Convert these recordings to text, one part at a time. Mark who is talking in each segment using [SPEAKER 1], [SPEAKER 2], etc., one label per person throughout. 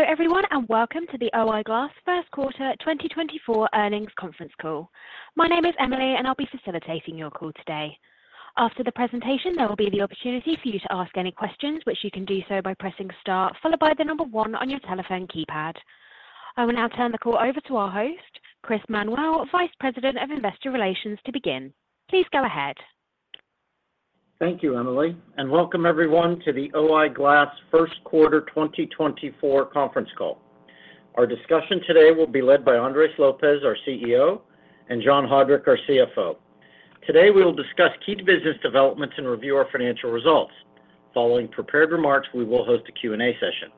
[SPEAKER 1] Hello, everyone, and welcome to the O-I Glass First Quarter 2024 Earnings Conference Call. My name is Emily, and I'll be facilitating your call today. After the presentation, there will be the opportunity for you to ask any questions, which you can do so by pressing star, followed by the number one on your telephone keypad. I will now turn the call over to our host, Chris Manuel, Vice President of Investor Relations, to begin. Please go ahead.
[SPEAKER 2] Thank you, Emily, and welcome everyone to the O-I Glass first quarter 2024 conference call. Our discussion today will be led by Andres Lopez, our CEO, and John Haudrich, our CFO. Today, we will discuss key business developments and review our financial results. Following prepared remarks, we will host a Q&A session.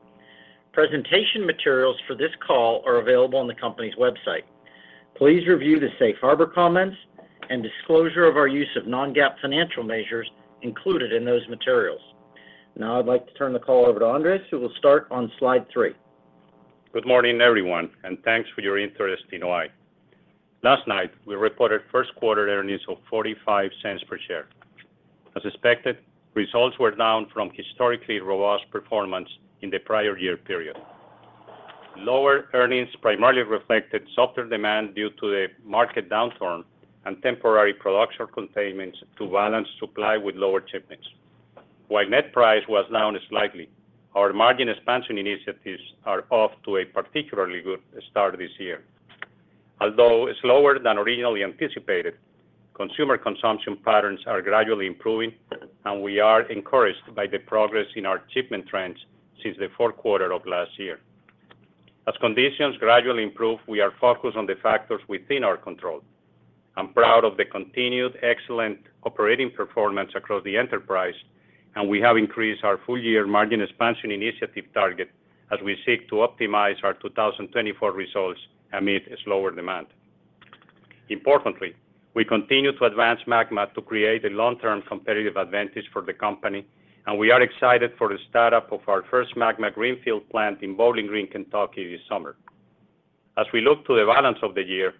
[SPEAKER 2] Presentation materials for this call are available on the company's website. Please review the safe harbor comments and disclosure of our use of non-GAAP financial measures included in those materials. Now I'd like to turn the call over to Andres, who will start on slide three.
[SPEAKER 3] Good morning, everyone, and thanks for your interest in O-I. Last night, we reported first quarter earnings of $0.45 per share. As expected, results were down from historically robust performance in the prior year period. Lower earnings primarily reflected softer demand due to the market downturn and temporary production curtailments to balance supply with lower shipments. While net price was down slightly, our margin expansion initiatives are off to a particularly good start this year. Although slower than originally anticipated, consumer consumption patterns are gradually improving, and we are encouraged by the progress in our shipment trends since the fourth quarter of last year. As conditions gradually improve, we are focused on the factors within our control. I'm proud of the continued excellent operating performance across the enterprise, and we have increased our full-year margin expansion initiative target as we seek to optimize our 2024 results amid a slower demand. Importantly, we continue to advance MAGMA to create a long-term competitive advantage for the company, and we are excited for the startup of our first MAGMA greenfield plant in Bowling Green, Kentucky, this summer. As we look to the balance of the year,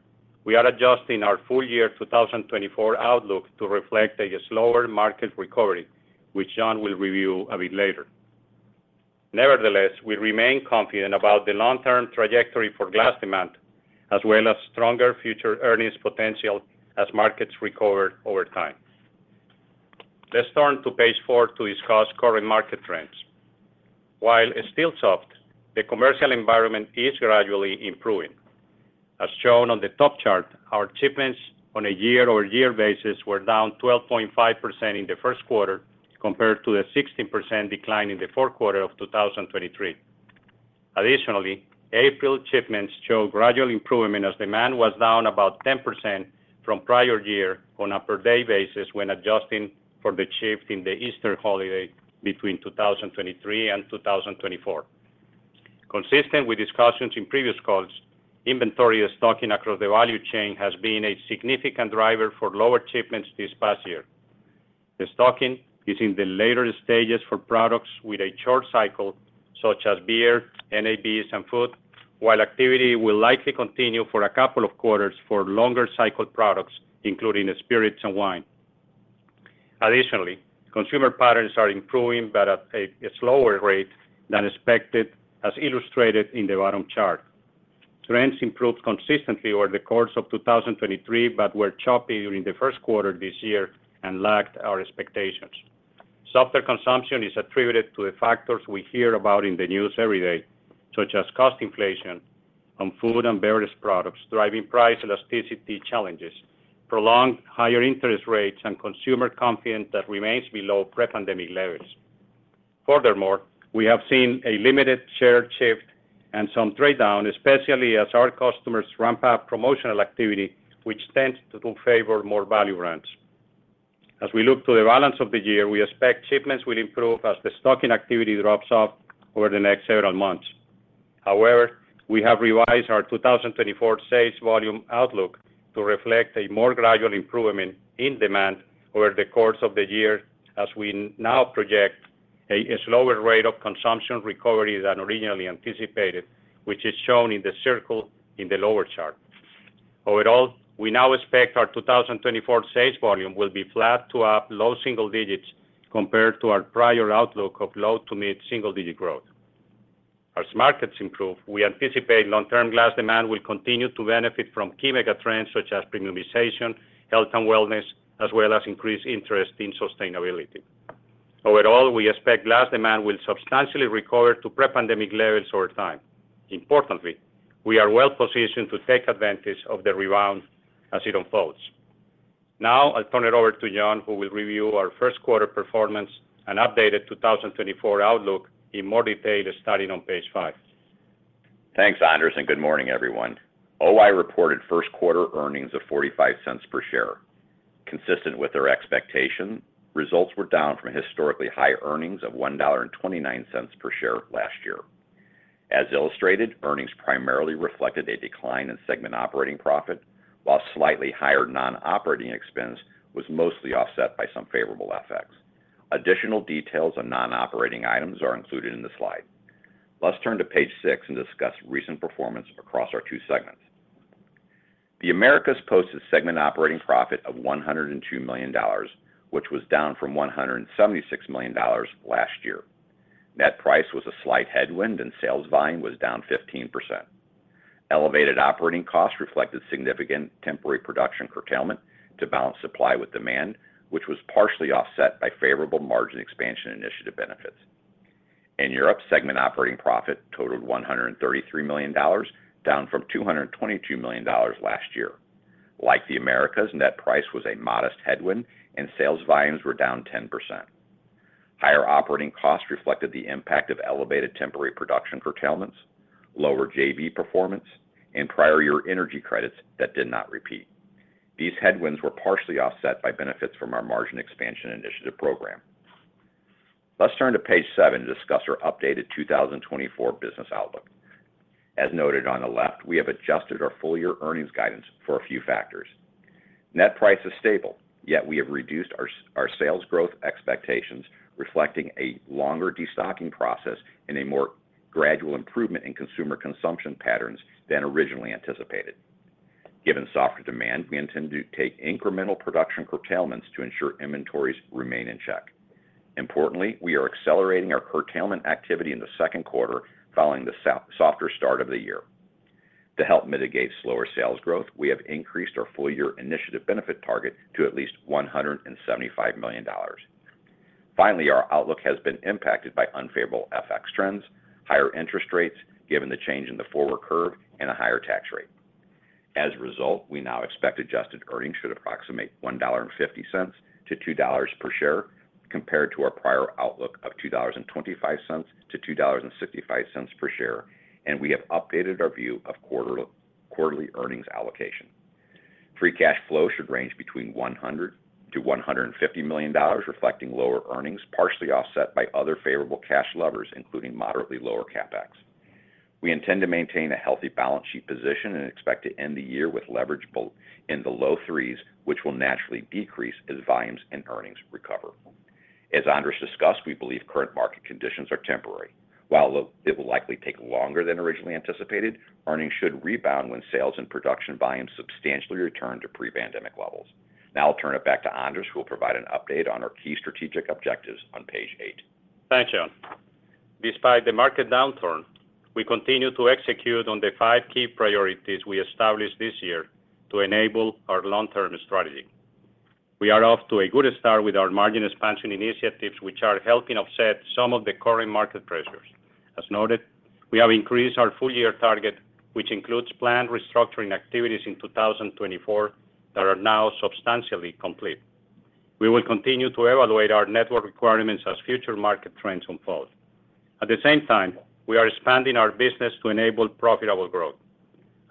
[SPEAKER 3] we are adjusting our full year 2024 outlook to reflect a slower market recovery, which John will review a bit later. Nevertheless, we remain confident about the long-term trajectory for glass demand, as well as stronger future earnings potential as markets recover over time. Let's turn to page four to discuss current market trends. While still soft, the commercial environment is gradually improving. As shown on the top chart, our shipments on a year-over-year basis were down 12.5% in the first quarter, compared to a 16% decline in the fourth quarter of 2023. Additionally, April shipments show gradual improvement as demand was down about 10% from prior year on a per day basis when adjusting for the shift in the Easter holiday between 2023 and 2024. Consistent with discussions in previous calls, inventory destocking across the value chain has been a significant driver for lower shipments this past year. Destocking is in the later stages for products with a short cycle, such as beer, NABs, and food, while activity will likely continue for a couple of quarters for longer cycle products, including spirits and wine. Additionally, consumer patterns are improving, but at a slower rate than expected, as illustrated in the bottom chart. Trends improved consistently over the course of 2023, but were choppy during the first quarter this year and lagged our expectations. Softer consumption is attributed to the factors we hear about in the news every day, such as cost inflation on food and beverage products, driving price elasticity challenges, prolonged higher interest rates and consumer confidence that remains below pre-pandemic levels. Furthermore, we have seen a limited share shift and some trade down, especially as our customers ramp up promotional activity, which tends to favor more value brands. As we look to the balance of the year, we expect shipments will improve as destocking activity drops off over the next several months. However, we have revised our 2024 sales volume outlook to reflect a more gradual improvement in demand over the course of the year, as we now project a slower rate of consumption recovery than originally anticipated, which is shown in the circle in the lower chart. Overall, we now expect our 2024 sales volume will be flat to up low single digits compared to our prior outlook of low to mid single-digit growth. As markets improve, we anticipate long-term glass demand will continue to benefit from key megatrends such as premiumization, health and wellness, as well as increased interest in sustainability. Overall, we expect glass demand will substantially recover to pre-pandemic levels over time. Importantly, we are well positioned to take advantage of the rebound as it unfolds. Now, I'll turn it over to John, who will review our first quarter performance and updated 2024 outlook in more detail, starting on page five.
[SPEAKER 4] Thanks, Andres, and good morning, everyone. O-I reported first quarter earnings of $0.45 per share. Consistent with their expectation, results were down from historically high earnings of $1.29 per share last year. As illustrated, earnings primarily reflected a decline in segment operating profit, while slightly higher non-operating expense was mostly offset by some favorable FX. Additional details on non-operating items are included in the slide. Let's turn to page six and discuss recent performance across our two segments. The Americas posted segment operating profit of $102 million, which was down from $176 million last year. Net price was a slight headwind, and sales volume was down 15%. Elevated operating costs reflected significant temporary production curtailment to balance supply with demand, which was partially offset by favorable margin expansion initiative benefits. In Europe, segment operating profit totaled $133 million, down from $222 million last year. Like the Americas, net price was a modest headwind, and sales volumes were down 10%. Higher operating costs reflected the impact of elevated temporary production curtailments, lower JV performance, and prior year energy credits that did not repeat. These headwinds were partially offset by benefits from our margin expansion initiative program. Let's turn to page seven to discuss our updated 2024 business outlook. As noted on the left, we have adjusted our full year earnings guidance for a few factors. Net price is stable, yet we have reduced our sales growth expectations, reflecting a longer destocking process and a more gradual improvement in consumer consumption patterns than originally anticipated. Given softer demand, we intend to take incremental production curtailments to ensure inventories remain in check. Importantly, we are accelerating our curtailment activity in the second quarter following the softer start of the year. To help mitigate slower sales growth, we have increased our full year initiative benefit target to at least $175 million. Finally, our outlook has been impacted by unfavorable FX trends, higher interest rates, given the change in the forward curve, and a higher tax rate. As a result, we now expect adjusted earnings should approximate $1.50-$2 per share, compared to our prior outlook of $2.25-$2.65 per share, and we have updated our view of quarterly earnings allocation. Free cash flow should range between $100 million-$150 million, reflecting lower earnings, partially offset by other favorable cash levers, including moderately lower CapEx. We intend to maintain a healthy balance sheet position and expect to end the year with leverage both in the low threes, which will naturally decrease as volumes and earnings recover. As Andres discussed, we believe current market conditions are temporary. While it will likely take longer than originally anticipated, earnings should rebound when sales and production volumes substantially return to pre-pandemic levels. Now I'll turn it back to Andres, who will provide an update on our key strategic objectives on page eight.
[SPEAKER 3] Thanks, John. Despite the market downturn, we continue to execute on the five key priorities we established this year to enable our long-term strategy. We are off to a good start with our margin expansion initiatives, which are helping offset some of the current market pressures. As noted, we have increased our full-year target, which includes planned restructuring activities in 2024 that are now substantially complete. We will continue to evaluate our network requirements as future market trends unfold. At the same time, we are expanding our business to enable profitable growth.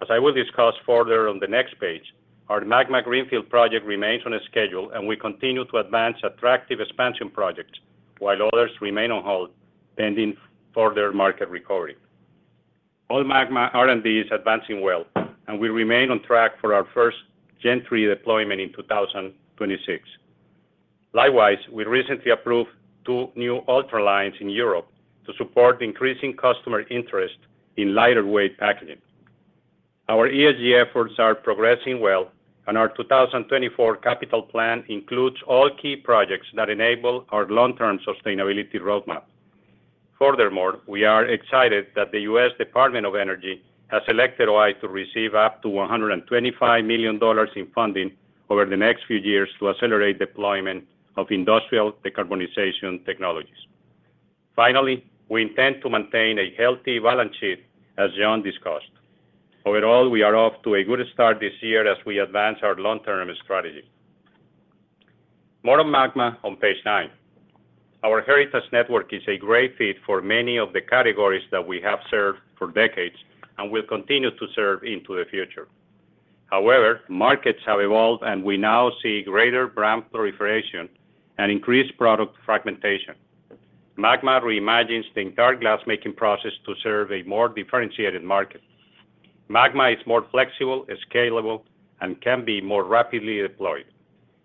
[SPEAKER 3] As I will discuss further on the next page, our MAGMA greenfield project remains on schedule, and we continue to advance attractive expansion projects while others remain on hold, pending further market recovery. All MAGMA R&D is advancing well, and we remain on track for our first Gen 3 deployment in 2026. Likewise, we recently approved two new Ultra lines in Europe to support increasing customer interest in lighter weight packaging. Our ESG efforts are progressing well, and our 2024 capital plan includes all key projects that enable our long-term sustainability roadmap. Furthermore, we are excited that the U.S. Department of Energy has selected O-I to receive up to $125 million in funding over the next few years to accelerate deployment of industrial decarbonization technologies. Finally, we intend to maintain a healthy balance sheet, as John discussed. Overall, we are off to a good start this year as we advance our long-term strategy. More on MAGMA on page nine. Our heritage network is a great fit for many of the categories that we have served for decades, and will continue to serve into the future. However, markets have evolved, and we now see greater brand proliferation and increased product fragmentation. MAGMA reimagines the entire glassmaking process to serve a more differentiated market. MAGMA is more flexible, scalable, and can be more rapidly deployed.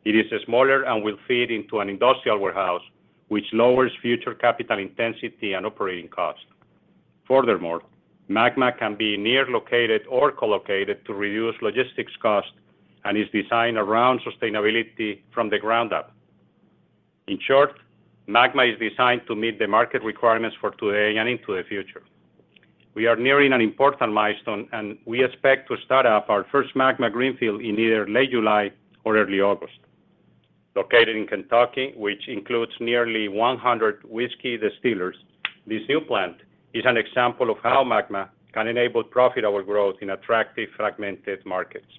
[SPEAKER 3] It is smaller and will fit into an industrial warehouse, which lowers future capital intensity and operating costs. Furthermore, MAGMA can be near located or co-located to reduce logistics costs and is designed around sustainability from the ground up. In short, MAGMA is designed to meet the market requirements for today and into the future. We are nearing an important milestone, and we expect to start up our first MAGMA greenfield in either late July or early August. Located in Kentucky, which includes nearly 100 whiskey distillers, this new plant is an example of how MAGMA can enable profitable growth in attractive, fragmented markets.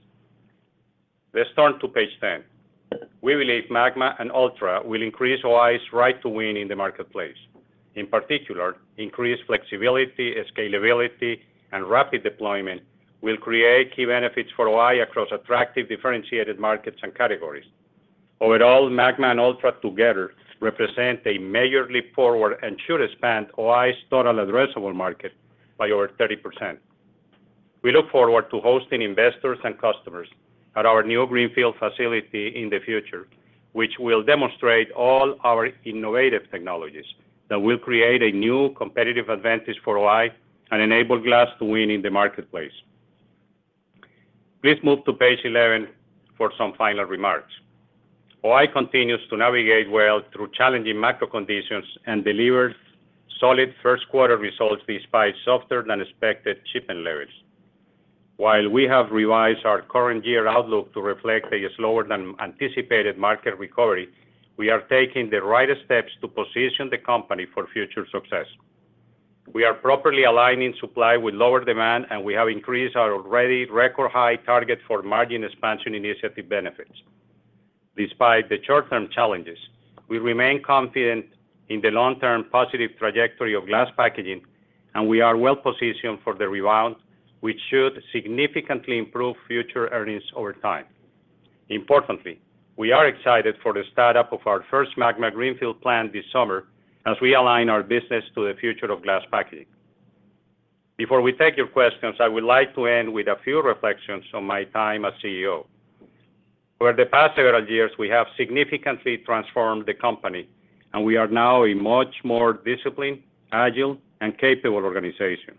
[SPEAKER 3] Let's turn to page 10. We believe Magma and Ultra will increase O-I's right to win in the marketplace. In particular, increased flexibility, scalability, and rapid deployment will create key benefits for O-I across attractive, differentiated markets and categories. Overall, Magma and Ultra together represent a major leap forward and should expand O-I's total addressable market by over 30%. We look forward to hosting investors and customers at our new greenfield facility in the future, which will demonstrate all our innovative technologies that will create a new competitive advantage for O-I, and enable glass to win in the marketplace. Please move to page 11 for some final remarks. O-I continues to navigate well through challenging macro conditions and delivered solid first quarter results, despite softer-than-expected shipping levels. While we have revised our current year outlook to reflect a slower than anticipated market recovery, we are taking the right steps to position the company for future success. We are properly aligning supply with lower demand, and we have increased our already record high target for margin expansion initiative benefits. Despite the short-term challenges, we remain confident in the long-term positive trajectory of glass packaging, and we are well-positioned for the rebound, which should significantly improve future earnings over time. Importantly, we are excited for the start-up of our first MAGMA greenfield plant this summer as we align our business to the future of glass packaging. Before we take your questions, I would like to end with a few reflections on my time as CEO. Over the past several years, we have significantly transformed the company, and we are now a much more disciplined, agile, and capable organization.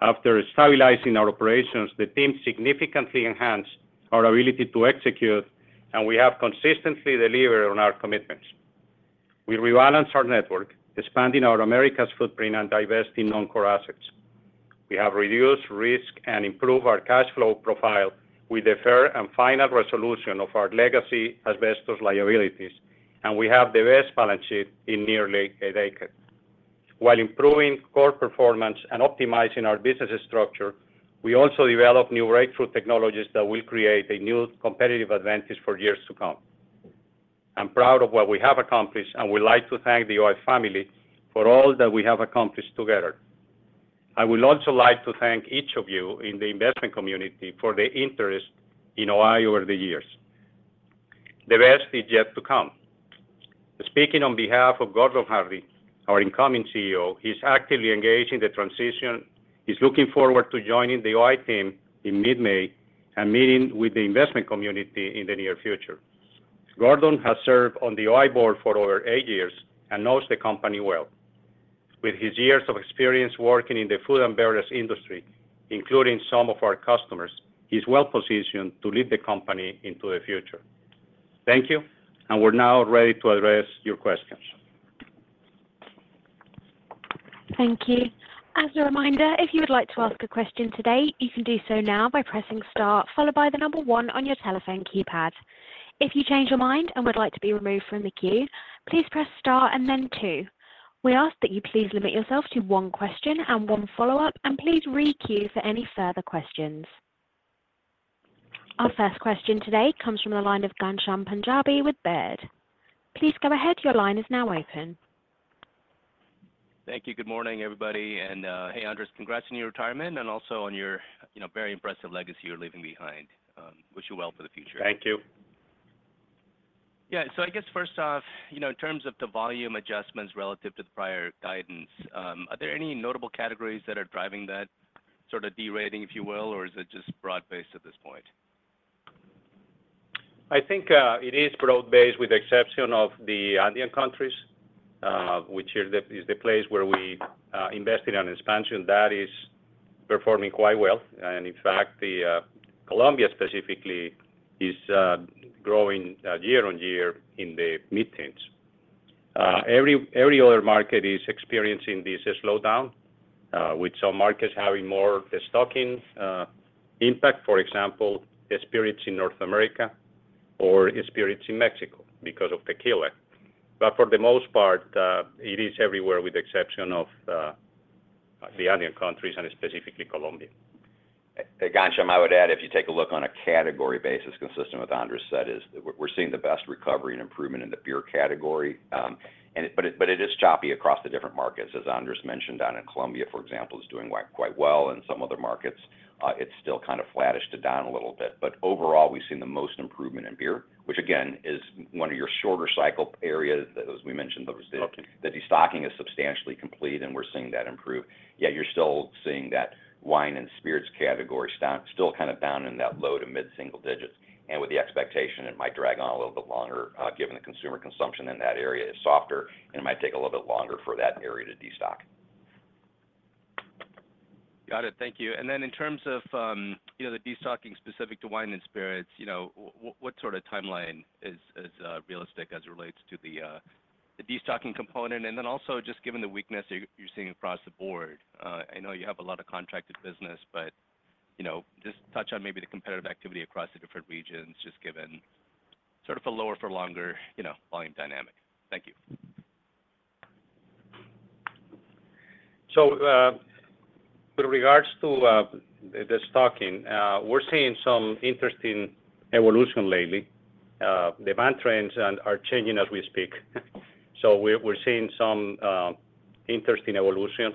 [SPEAKER 3] After stabilizing our operations, the team significantly enhanced our ability to execute, and we have consistently delivered on our commitments. We rebalanced our network, expanding our Americas footprint and divesting non-core assets. We have reduced risk and improved our cash flow profile with the fair and final resolution of our legacy asbestos liabilities, and we have the best balance sheet in nearly a decade. While improving core performance and optimizing our business structure, we also developed new breakthrough technologies that will create a new competitive advantage for years to come. I'm proud of what we have accomplished, and would like to thank the O-I family for all that we have accomplished together. I would also like to thank each of you in the investment community for the interest in O-I over the years. The best is yet to come. Speaking on behalf of Gordon Hardie, our incoming CEO, he's actively engaged in the transition. He's looking forward to joining the O-I team in mid-May and meeting with the investment community in the near future. Gordon has served on the O-I board for over eight years and knows the company well. With his years of experience working in the food and beverage industry, including some of our customers, he's well-positioned to lead the company into the future. Thank you, and we're now ready to address your questions.
[SPEAKER 1] Thank you. As a reminder, if you would like to ask a question today, you can do so now by pressing star, followed by the number one on your telephone keypad. If you change your mind and would like to be removed from the queue, please press star and then two. We ask that you please limit yourself to one question and one follow-up, and please re-queue for any further questions. Our first question today comes from the line of Ghansham Panjabi with Baird. Please go ahead. Your line is now open.
[SPEAKER 5] Thank you. Good morning, everybody. And, hey, Andres, congrats on your retirement and also on your, you know, very impressive legacy you're leaving behind. Wish you well for the future.
[SPEAKER 3] Thank you.
[SPEAKER 5] Yeah. So I guess first off, you know, in terms of the volume adjustments relative to the prior guidance, are there any notable categories that are driving that sort of derating, if you will? Or is it just broad-based at this point?
[SPEAKER 3] I think it is broad-based, with the exception of the Andean countries, which is the place where we invested on expansion. That is performing quite well. And in fact, the Colombia specifically is growing year-over-year in the mid-teens. Every other market is experiencing this slowdown, with some markets having more destocking impact, for example, the spirits in North America or the spirits in Mexico because of tequila. But for the most part, it is everywhere, with the exception of the Andean countries and specifically Colombia.
[SPEAKER 4] Hey, Ghansham, I would add, if you take a look on a category basis, consistent with Andres said, we're seeing the best recovery and improvement in the beer category. But it is choppy across the different markets. As Andres mentioned, down in Colombia, for example, is doing quite well. In some other markets, it's still kind of flattish to down a little bit. But overall, we've seen the most improvement in beer, which again, is one of your shorter cycle areas, as we mentioned, that the destocking is substantially complete and we're seeing that improve. Yet you're still seeing that Wine and Spirits category down, still kind of down in that low to mid single digits, and with the expectation it might drag on a little bit longer, given the consumer consumption in that area is softer, and it might take a little bit longer for that area to destock.
[SPEAKER 5] Got it. Thank you. And then in terms of, you know, the destocking specific to Wine and Spirits, you know, what sort of timeline is realistic as it relates to the destocking component? And then also just given the weakness you're seeing across the board, I know you have a lot of contracted business, but, you know, just touch on maybe the competitive activity across the different regions, just given sort of a lower for longer, you know, volume dynamic. Thank you.
[SPEAKER 3] So, with regards to the destocking, we're seeing some interesting evolution lately. Demand trends are changing as we speak. So we're seeing some interesting evolution.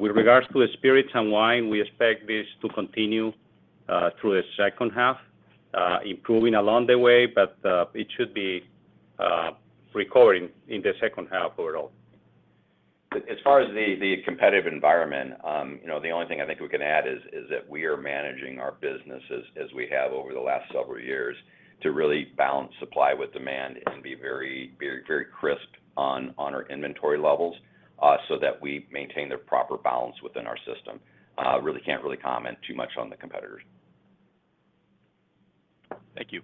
[SPEAKER 3] With regards to the spirits and wine, we expect this to continue through the second half, improving along the way, but it should be recovering in the second half overall.
[SPEAKER 4] As far as the competitive environment, you know, the only thing I think we can add is that we are managing our business as we have over the last several years, to really balance supply with demand and be very, very, very crisp on our inventory levels, so that we maintain the proper balance within our system. Really can't comment too much on the competitors.
[SPEAKER 5] Thank you.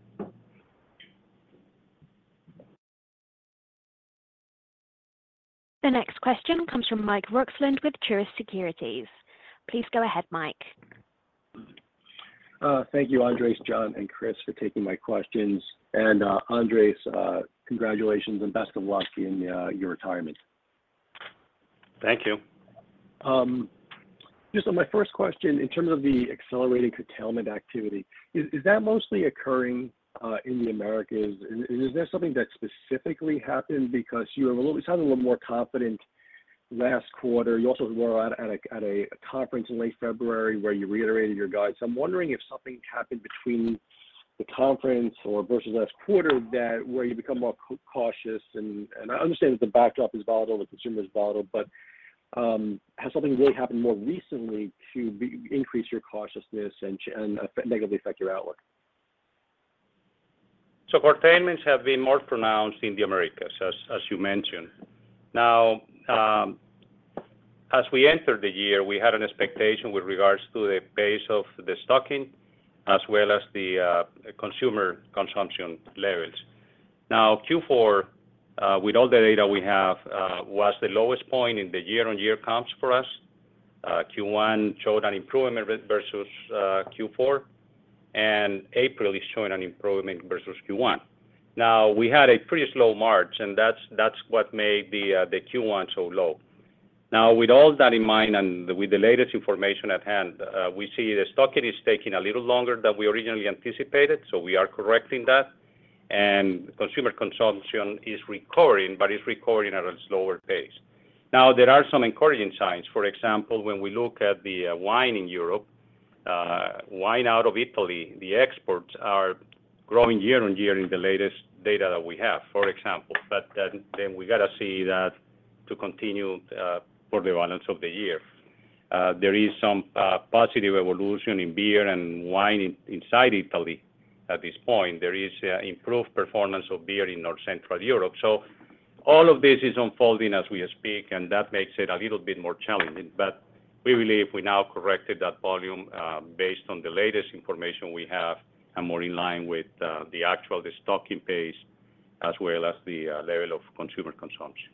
[SPEAKER 1] The next question comes from Mike Roxland with Truist Securities. Please go ahead, Mike.
[SPEAKER 6] Thank you, Andres, John, and Chris, for taking my questions. Andres, congratulations and best of luck in your retirement.
[SPEAKER 3] Thank you.
[SPEAKER 6] Just on my first question, in terms of the accelerating curtailment activity, is that mostly occurring in the Americas? Is there something that specifically happened because you sounded a little more confident last quarter. You also were at a conference in late February where you reiterated your guide. So I'm wondering if something happened between the conference or versus last quarter that where you become more cautious and I understand that the backdrop is volatile, the consumer is volatile, but has something really happened more recently to increase your cautiousness and negatively affect your outlook?
[SPEAKER 3] So curtailments have been more pronounced in the Americas, as you mentioned. Now, as we entered the year, we had an expectation with regards to the pace of destocking as well as the consumer consumption levels. Now, Q4, with all the data we have, was the lowest point in the year-on-year comps for us. Q1 showed an improvement versus Q4, and April is showing an improvement versus Q1. Now, we had a pretty slow March, and that's what made the Q1 so low. Now, with all that in mind, and with the latest information at hand, we see destocking is taking a little longer than we originally anticipated, so we are correcting that. And consumer consumption is recovering, but it's recovering at a slower pace. Now, there are some encouraging signs. For example, when we look at the wine in Europe, wine out of Italy, the exports are growing year on year in the latest data that we have, for example. But then we got to see that to continue for the balance of the year. There is some positive evolution in beer and wine inside Italy at this point. There is improved performance of beer in North Central Europe. So all of this is unfolding as we speak, and that makes it a little bit more challenging. But we believe we now corrected that volume based on the latest information we have, and more in line with the actual, destocking pace, as well as the level of consumer consumption.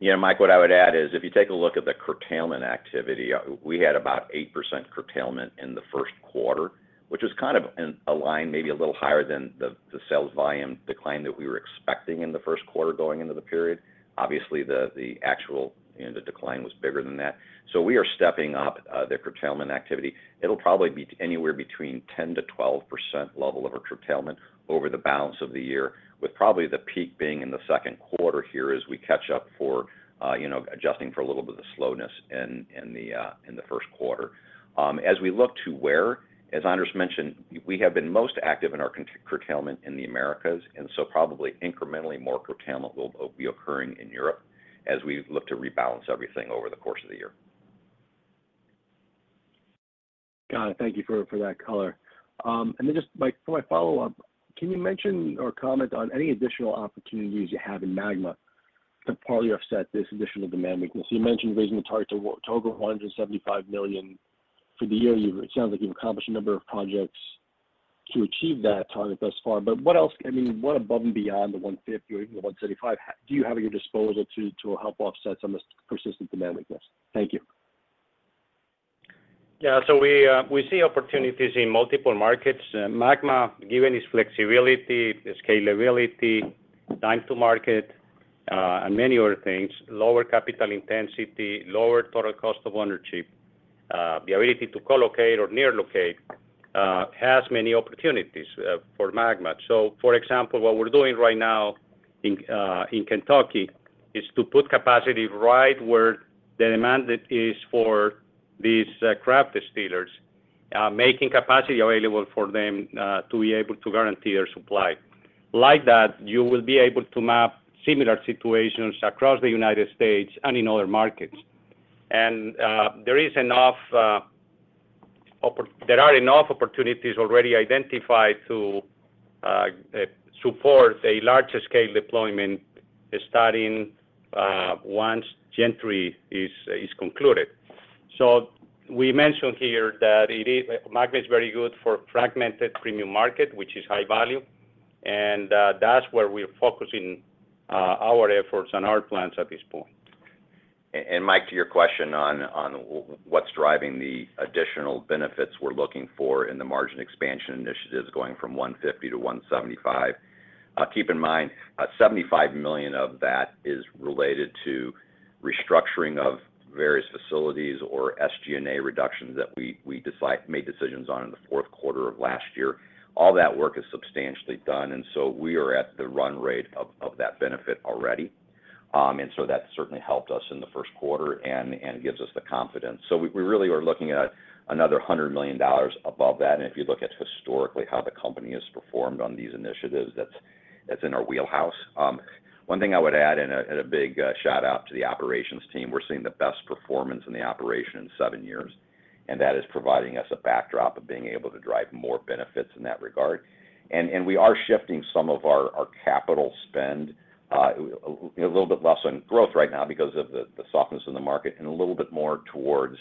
[SPEAKER 4] Yeah, Mike, what I would add is, if you take a look at the curtailment activity, we had about 8% curtailment in the first quarter, which was kind of in align, maybe a little higher than the, the sales volume decline that we were expecting in the first quarter going into the period. Obviously, the, the actual, you know, the decline was bigger than that. So we are stepping up the curtailment activity. It'll probably be anywhere between 10%-12% level of our curtailment over the balance of the year, with probably the peak being in the second quarter here as we catch up for, you know, adjusting for a little bit of slowness in, in the, in the first quarter. As we look to where, as Andres mentioned, we have been most active in our curtailment in the Americas, and so probably incrementally more curtailment will be occurring in Europe as we look to rebalance everything over the course of the year.
[SPEAKER 6] Got it. Thank you for that color. And then just for my follow-up, can you mention or comment on any additional opportunities you have in MAGMA to partly offset this additional demand weakness? You mentioned raising the target to over $175 million for the year. It sounds like you've accomplished a number of projects to achieve that target thus far. But what else, I mean, what above and beyond the $150 million or even the $175 million, do you have at your disposal to help offset some of this persistent demand weakness? Thank you.
[SPEAKER 3] Yeah, so we see opportunities in multiple markets. MAGMA, given its flexibility, scalability, time to market, and many other things, lower capital intensity, lower total cost of ownership, the ability to collocate or near locate, has many opportunities for MAGMA. So for example, what we're doing right now in Kentucky is to put capacity right where the demand is for these craft distillers, making capacity available for them to be able to guarantee their supply. Like that, you will be able to map similar situations across the United States and in other markets. And there are enough opportunities already identified to support a larger scale deployment, starting once Gen 3 is concluded. We mentioned here that it is, MAGMA is very good for fragmented premium market, which is high value, and that's where we're focusing our efforts and our plans at this point.
[SPEAKER 4] And Mike, to your question on what's driving the additional benefits we're looking for in the margin expansion initiatives going from $150 million to $175 million. Keep in mind, $75 million of that is related to restructuring of various facilities or SG&A reductions that we made decisions on in the fourth quarter of last year. All that work is substantially done, and so we are at the run rate of that benefit already. And so that certainly helped us in the first quarter and gives us the confidence. So we really are looking at another $100 million above that, and if you look at historically how the company has performed on these initiatives, that's in our wheelhouse. One thing I would add is a big shout out to the operations team. We're seeing the best performance in the operation in seven years, and that is providing us a backdrop of being able to drive more benefits in that regard. And we are shifting some of our capital spend a little bit less on growth right now because of the softness in the market and a little bit more towards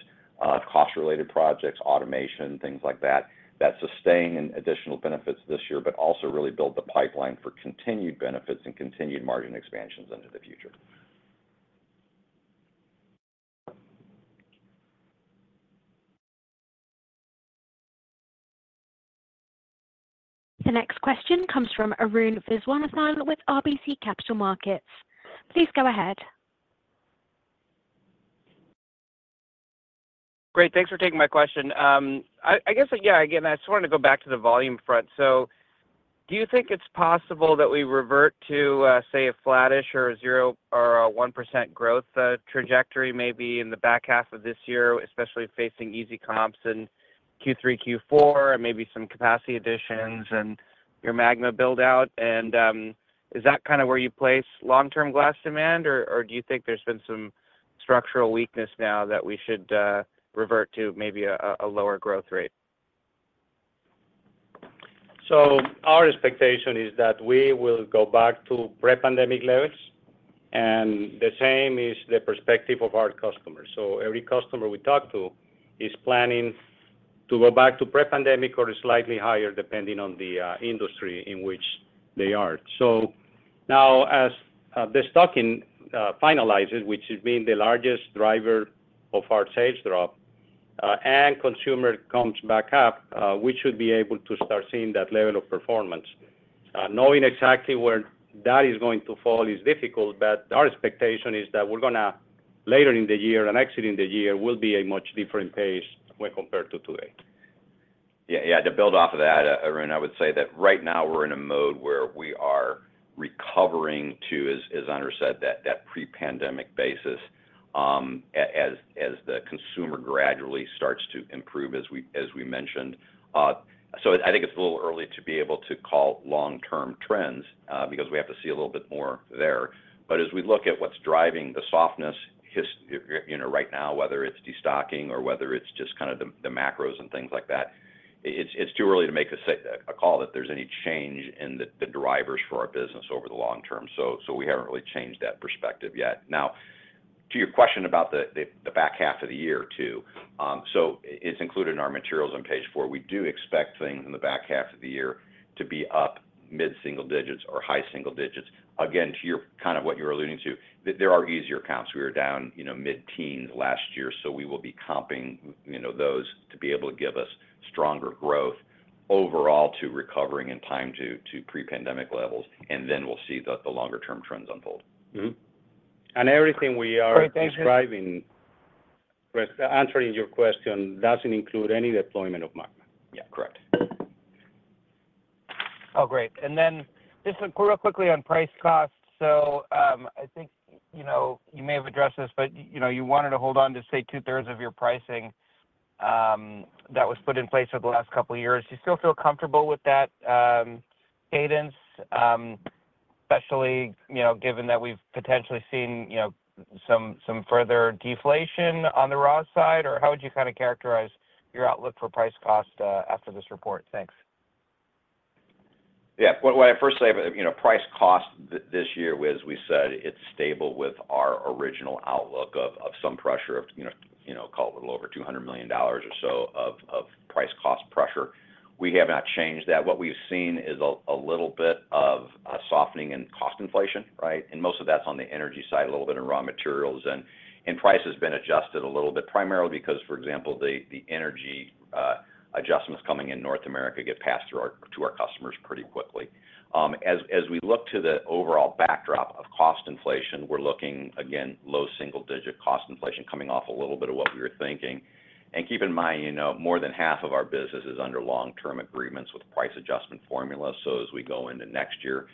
[SPEAKER 4] cost-related projects, automation, things like that. That's sustaining additional benefits this year, but also really build the pipeline for continued benefits and continued margin expansions into the future.
[SPEAKER 1] The next question comes from Arun Viswanathan with RBC Capital Markets. Please go ahead.
[SPEAKER 7] Great, thanks for taking my question. I guess, yeah, again, I just wanted to go back to the volume front. So do you think it's possible that we revert to, say, a flattish or a zero or a 1% growth, trajectory, maybe in the back half of this year, especially facing easy comps in Q3, Q4, and maybe some capacity additions and your MAGMA build-out? And, is that kind of where you place long-term glass demand or do you think there's been some structural weakness now that we should revert to maybe a lower growth rate?
[SPEAKER 3] Our expectation is that we will go back to pre-pandemic levels, and the same is the perspective of our customers. Every customer we talk to is planning to go back to pre-pandemic or slightly higher, depending on the industry in which they are. Now, as the destocking finalizes, which has been the largest driver of our sales drop, and consumer comes back up, we should be able to start seeing that level of performance. Knowing exactly where that is going to fall is difficult, but our expectation is that we're gonna later in the year, and actually in the year, will be a much different pace when compared to today.
[SPEAKER 4] Yeah, yeah, to build off of that, Arun, I would say that right now, we're in a mode where we are recovering to, as Andres said, that pre-pandemic basis, as the consumer gradually starts to improve, as we mentioned. So I think it's a little early to be able to call long-term trends, because we have to see a little bit more there. But as we look at what's driving the softness, you know, right now, whether it's destocking or whether it's just kind of the macros and things like that, it's too early to make a call that there's any change in the drivers for our business over the long term. So we haven't really changed that perspective yet. Now, to your question about the back half of the year, too. So it's included in our materials on page four. We do expect things in the back half of the year to be up mid-single digits or high single digits. Again, to your kind of what you're alluding to, there are easier comps. We were down, you know, mid-teens last year, so we will be comping, you know, those to be able to give us stronger growth overall to recovering in time to, to pre-pandemic levels, and then we'll see the, the longer-term trends unfold.
[SPEAKER 3] Mm-hmm. And everything we are describing.
[SPEAKER 7] Great, thank you.
[SPEAKER 3] Answering your question, doesn't include any deployment of MAGMA.
[SPEAKER 4] Yeah, correct.
[SPEAKER 7] Oh, great. And then just real quickly on price costs. So, I think, you know, you may have addressed this, but, you know, you wanted to hold on to, say, 2/3 of your pricing, that was put in place over the last couple of years. Do you still feel comfortable with that, cadence? Especially, you know, given that we've potentially seen, you know, some, some further deflation on the raw side, or how would you kind of characterize your outlook for price cost, after this report? Thanks.
[SPEAKER 4] Yeah. Well, what I first say, you know, price cost this year, as we said, it's stable with our original outlook of, of some pressure of, you know, you know, call it a little over $200 million or so of, of price cost pressure. We have not changed that. What we've seen is a, a little bit of a softening in cost inflation, right? And most of that's on the energy side, a little bit in raw materials, and, and price has been adjusted a little bit, primarily because, for example, the, the energy adjustments coming in North America get passed through our to our customers pretty quickly. As, as we look to the overall backdrop of cost inflation, we're looking, again, low single-digit cost inflation coming off a little bit of what we were thinking. Keep in mind, you know, more than half of our business is under long-term agreements with price adjustment formula. So as we go into next year,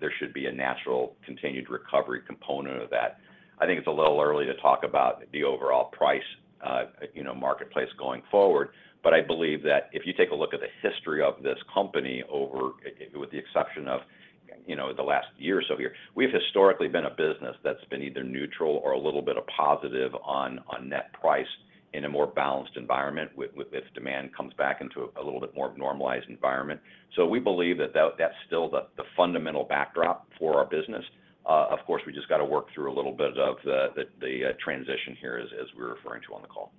[SPEAKER 4] there should be a natural continued recovery component of that. I think it's a little early to talk about the overall price, you know, marketplace going forward, but I believe that if you take a look at the history of this company over, with the exception of, you know, the last year or so here, we've historically been a business that's been either neutral or a little bit of positive on net price in a more balanced environment, with this demand comes back into a little bit more of normalized environment. So we believe that that's still the fundamental backdrop for our business. Of course, we just got to work through a little bit of the transition here, as we're referring to on the call.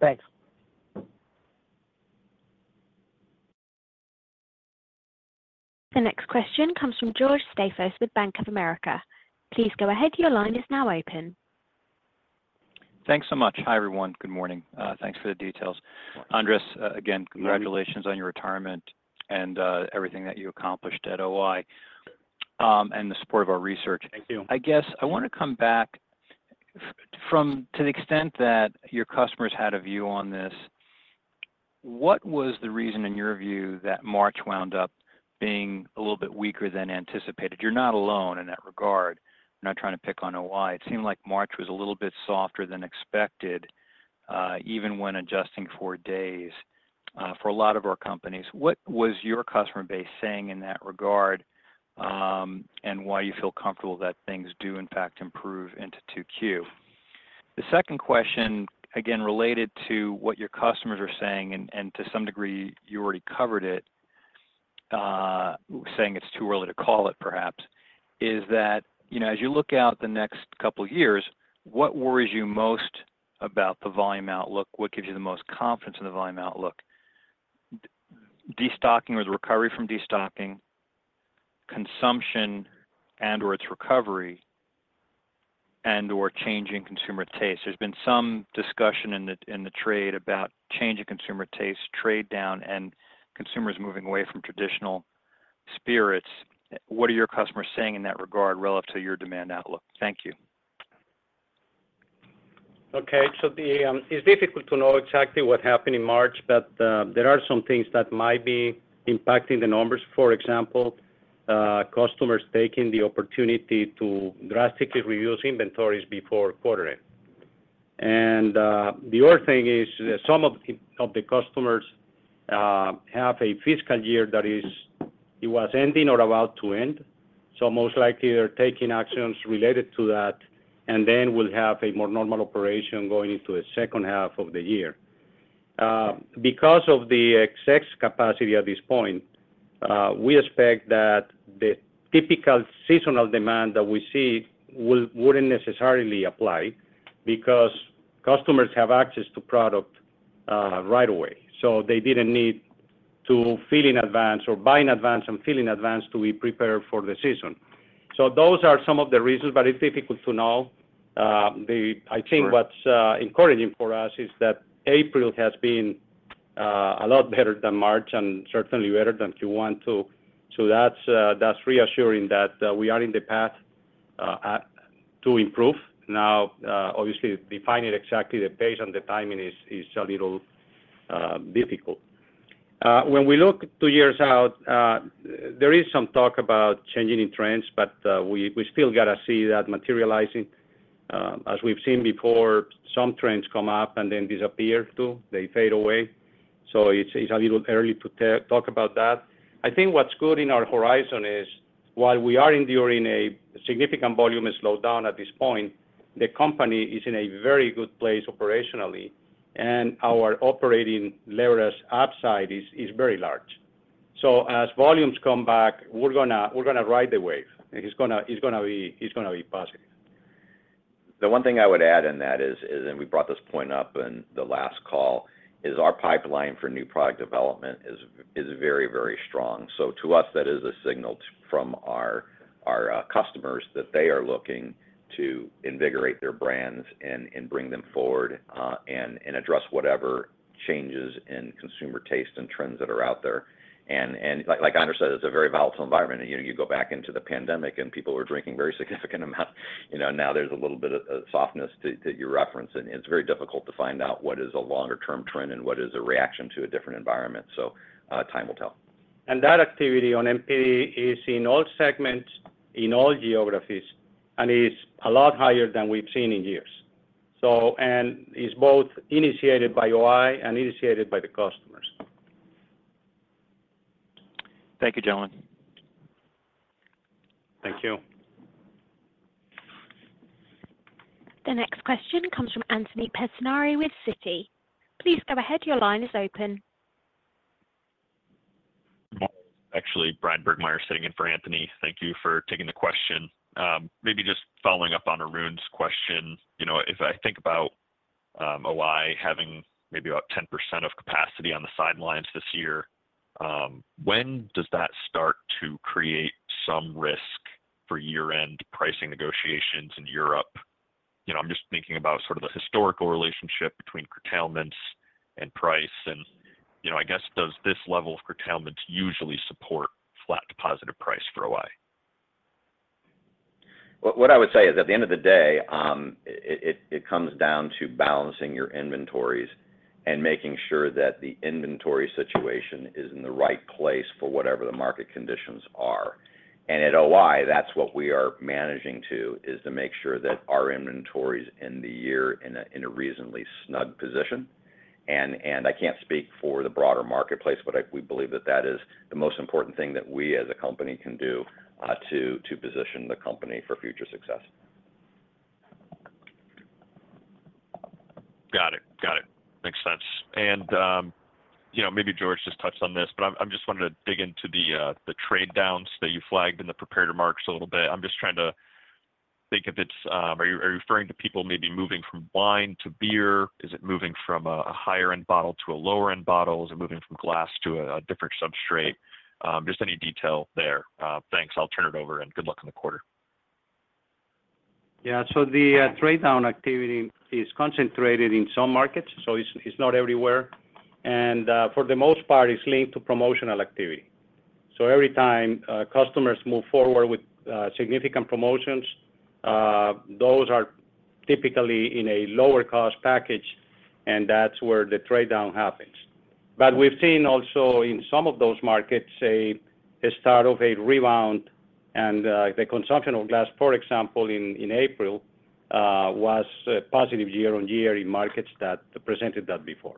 [SPEAKER 7] Thanks.
[SPEAKER 1] The next question comes from George Staphos with Bank of America. Please go ahead. Your line is now open.
[SPEAKER 8] Thanks so much. Hi, everyone. Good morning. Thanks for the details. Andres, again, congratulations on your retirement and everything that you accomplished at O-I, and the support of our research.
[SPEAKER 3] Thank you.
[SPEAKER 8] I guess I want to come back to the extent that your customers had a view on this, what was the reason, in your view, that March wound up being a little bit weaker than anticipated? You're not alone in that regard. I'm not trying to pick on O-I. It seemed like March was a little bit softer than expected, even when adjusting for days, for a lot of our companies, what was your customer base saying in that regard, and why you feel comfortable that things do, in fact, improve into 2Q? The second question, again, related to what your customers are saying, and to some degree, you already covered it, saying it's too early to call it perhaps, is that, you know, as you look out the next couple of years, what worries you most about the volume outlook? What gives you the most confidence in the volume outlook? Destocking or the recovery from destocking, consumption, and/or its recovery, and/or changing consumer taste. There's been some discussion in the trade about change in consumer taste, trade down, and consumers moving away from traditional spirits. What are your customers saying in that regard relative to your demand outlook? Thank you.
[SPEAKER 3] Okay, so it's difficult to know exactly what happened in March, but there are some things that might be impacting the numbers. For example, customers taking the opportunity to drastically reduce inventories before quarter end. The other thing is that some of the customers have a fiscal year that was ending or about to end, so most likely they're taking actions related to that, and then we'll have a more normal operation going into the second half of the year. Because of the excess capacity at this point, we expect that the typical seasonal demand that we see wouldn't necessarily apply because customers have access to product right away. So they didn't need to fill in advance or buy in advance and fill in advance to be prepared for the season. So those are some of the reasons, but it's difficult to know.
[SPEAKER 8] Sure.
[SPEAKER 3] I think what's encouraging for us is that April has been a lot better than March and certainly better than Q1, too. So that's reassuring that we are in the path to improve. Now, obviously, defining exactly the pace and the timing is a little difficult. When we look two years out, there is some talk about changing in trends, but we still got to see that materializing. As we've seen before, some trends come up and then disappear, too. They fade away, so it's a little early to talk about that. I think what's good in our horizon is while we are enduring a significant volume and slowdown at this point, the company is in a very good place operationally, and our operating leverage upside is very large. So as volumes come back, we're gonna ride the wave, and it's gonna be positive.
[SPEAKER 4] The one thing I would add in that is, and we brought this point up in the last call, is our pipeline for new product development is very, very strong. So to us, that is a signal from our customers that they are looking to invigorate their brands and bring them forward and address whatever changes in consumer taste and trends that are out there. And like Andres said, it's a very volatile environment, and you know, you go back into the pandemic, and people are drinking very significant amount. You know, now there's a little bit of softness that you're referencing, and it's very difficult to find out what is a longer-term trend and what is a reaction to a different environment. So time will tell.
[SPEAKER 3] That activity on NPD is in all segments, in all geographies, and is a lot higher than we've seen in years. So, it's both initiated by O-I and initiated by the customers.
[SPEAKER 8] Thank you, gentlemen.
[SPEAKER 3] Thank you.
[SPEAKER 1] The next question comes from Anthony Pettinari with Citi. Please go ahead. Your line is open.
[SPEAKER 9] Actually, Bryan Burgmeier sitting in for Anthony. Thank you for taking the question. Maybe just following up on Arun's question. You know, if I think about O-I having maybe about 10% of capacity on the sidelines this year, when does that start to create some risk for year-end pricing negotiations in Europe? You know, I'm just thinking about sort of the historical relationship between curtailments and price, and, you know, I guess, does this level of curtailments usually support flat to positive price for O-I?
[SPEAKER 4] Well, what I would say is, at the end of the day, it comes down to balancing your inventories and making sure that the inventory situation is in the right place for whatever the market conditions are. And at O-I, that's what we are managing to, is to make sure that our inventory is in the year in a reasonably snug position. And I can't speak for the broader marketplace, but we believe that is the most important thing that we, as a company, can do, to position the company for future success.
[SPEAKER 9] Got it. Got it. Makes sense. And, you know, maybe George just touched on this, but I'm just wanting to dig into the trade downs that you flagged in the prepared remarks a little bit. I'm just trying to think if it's, are you referring to people maybe moving from wine to beer? Is it moving from a higher end bottle to a lower end bottle? Is it moving from glass to a different substrate? Just any detail there. Thanks. I'll turn it over, and good luck in the quarter.
[SPEAKER 3] Yeah. So the trade down activity is concentrated in some markets, so it's, it's not everywhere, and for the most part, it's linked to promotional activity. So every time customers move forward with significant promotions, those are typically in a lower cost package, and that's where the trade down happens. But we've seen also in some of those markets, a start of a rebound and the consumption of glass, for example, in April was positive year-on-year in markets that presented that before.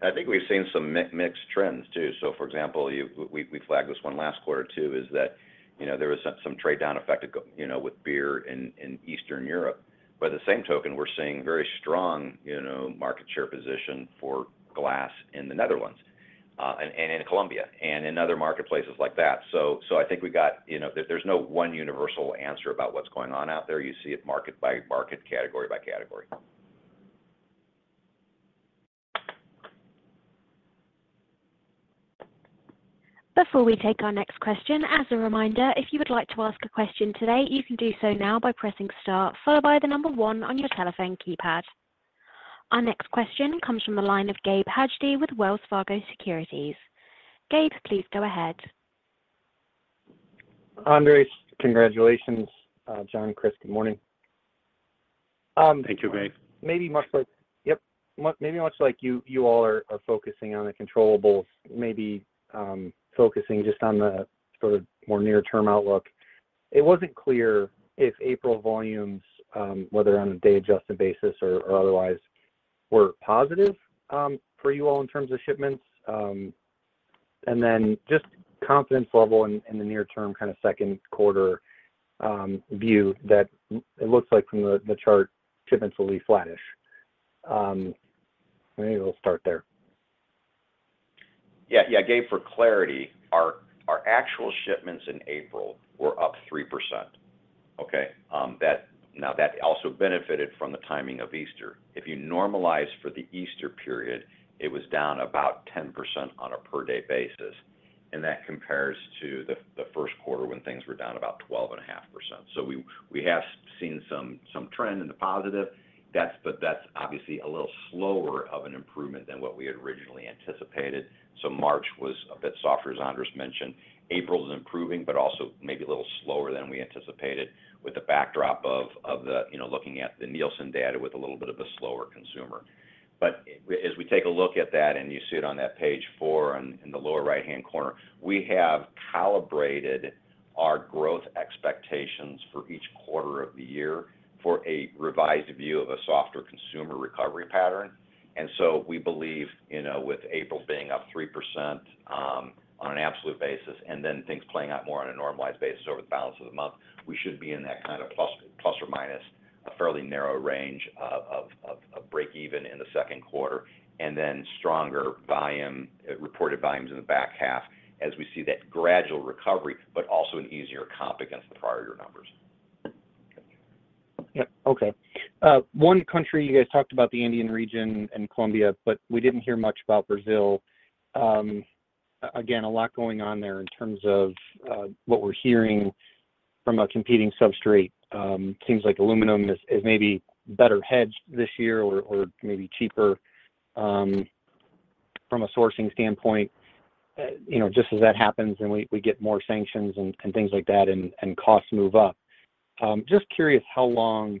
[SPEAKER 4] I think we've seen some mixed trends, too. So, for example, we flagged this one last quarter, too, is that, you know, there was some trade down effect, you know, with beer in Eastern Europe. By the same token, we're seeing very strong, you know, market share position for glass in the Netherlands, and in Colombia, and in other marketplaces like that. So I think we got, you know, there, there's no one universal answer about what's going on out there. You see it market by market, category by category.
[SPEAKER 1] Before we take our next question, as a reminder, if you would like to ask a question today, you can do so now by pressing star, followed by the number one on your telephone keypad. Our next question comes from the line of Gabe Hajde with Wells Fargo Securities. Gabe, please go ahead.
[SPEAKER 10] Andres, congratulations. John, Chris, good morning.
[SPEAKER 3] Thank you, Gabe.
[SPEAKER 10] Maybe much like. Yep. Maybe much like you, you all are focusing on the controllables, maybe, focusing just on the sort of more near-term outlook. It wasn't clear if April volumes, whether on a day-adjusted basis or otherwise, were positive for you all in terms of shipments. And then just confidence level in the near term, kind of second quarter view that it looks like from the chart shipments will be flattish. Maybe we'll start there.
[SPEAKER 4] Yeah, yeah, Gabe, for clarity, our actual shipments in April were up 3%, okay? That also benefited from the timing of Easter. If you normalize for the Easter period, it was down about 10% on a per-day basis, and that compares to the first quarter when things were down about 12.5%. So we have seen some trend in the positive. That's but that's obviously a little slower of an improvement than what we had originally anticipated. So March was a bit softer, as Andres mentioned. April is improving, but also maybe a little slower than we anticipated with the backdrop of the you know, looking at the Nielsen data with a little bit of a slower consumer. But as we take a look at that, and you see it on that page four in the lower right-hand corner, we have calibrated our growth expectations for each quarter of the year for a revised view of a softer consumer recovery pattern. And so we believe, you know, with April being up 3%, on an absolute basis, and then things playing out more on a normalized basis over the balance of the month, we should be in that kind of plus or minus a fairly narrow range of breakeven in the second quarter, and then stronger volume, reported volumes in the back half as we see that gradual recovery, but also an easier comp against the prior year numbers.
[SPEAKER 10] Yep. Okay. One country, you guys talked about the Andean region and Colombia, but we didn't hear much about Brazil. Again, a lot going on there in terms of what we're hearing from a competing substrate. Seems like aluminum is maybe better hedged this year or maybe cheaper from a sourcing standpoint. You know, just as that happens, and we get more sanctions and things like that, and costs move up. Just curious how long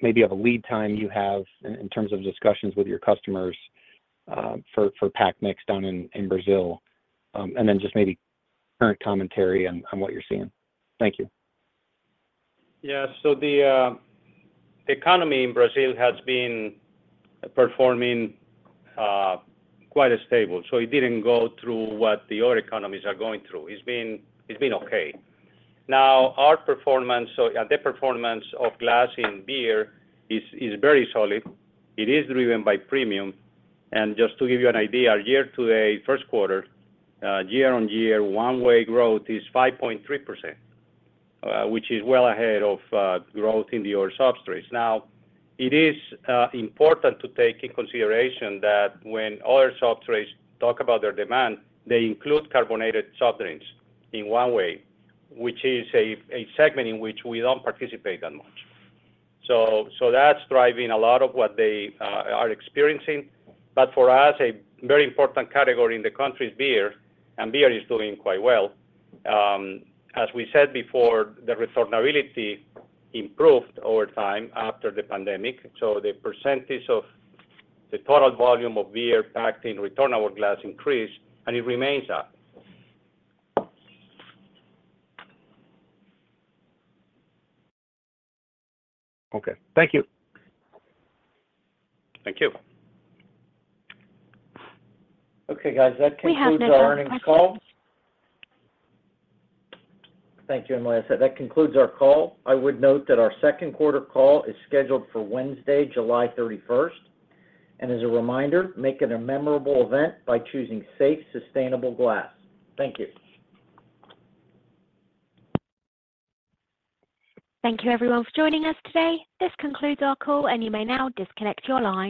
[SPEAKER 10] maybe of a lead time you have in terms of discussions with your customers for pack mix down in Brazil, and then just maybe current commentary on what you're seeing. Thank you.
[SPEAKER 3] Yeah. So the, the economy in Brazil has been performing, quite stable, so it didn't go through what the other economies are going through. It's been, it's been okay. Now, our performance, so, the performance of glass in beer is, is very solid. It is driven by premium, and just to give you an idea, year to date, first quarter, year-on-year, one-way growth is 5.3%, which is well ahead of, growth in the other substrates. Now, it is, important to take in consideration that when other substrates talk about their demand, they include carbonated soft drinks in one-way, which is a, a segment in which we don't participate that much. So, so that's driving a lot of what they, are experiencing. For us, a very important category in the country is beer, and beer is doing quite well. As we said before, the returnability improved over time after the pandemic, so the percentage of the total volume of beer packed in returnable glass increased, and it remains up.
[SPEAKER 10] Okay. Thank you.
[SPEAKER 4] Thank you.
[SPEAKER 2] Okay, guys. That concludes.
[SPEAKER 1] We have no more questions.
[SPEAKER 2] Our earnings call. Thank you, Emily. That concludes our call. I would note that our second quarter call is scheduled for Wednesday, July 31. As a reminder, make it a memorable event by choosing safe, sustainable glass. Thank you.
[SPEAKER 1] Thank you, everyone, for joining us today. This concludes our call, and you may now disconnect your line.